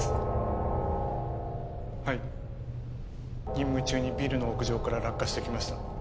任務中にビルの屋上から落下してきました。